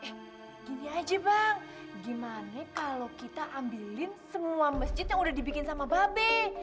eh gini aja bang gimana kalau kita ambilin semua masjid yang udah dibikin sama babe